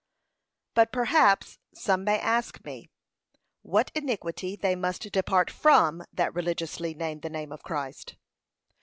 But perhaps some may ask me, WHAT INIQUITY THEY MUST DEPART FROM THAT RELIGIOUSLY NAME THE NAME OF CHRIST?